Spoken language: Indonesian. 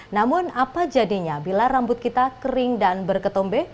namun apa jadinya bila rambut kita kering dan berketombe